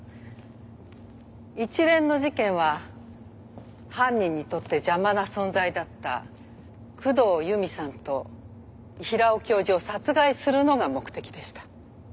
一連の事件は犯人にとって邪魔な存在だった工藤由美さんと平尾教授を殺害するのが目的でした。